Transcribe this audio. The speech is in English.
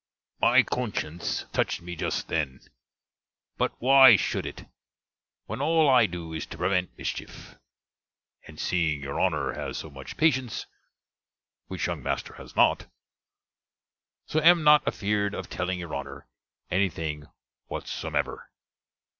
My conscience touched me just then. But why shoulde it? when all I do is to prevent mischeff; and seeing your Honner has so much patience, which younge master has not; so am not affeard of telling your Honner any thing whatsomever.